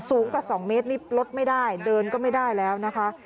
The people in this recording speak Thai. สูงกว่า๒เมตรนี่ลดไม่ได้เดินก็ไม่ได้แล้วนะคะ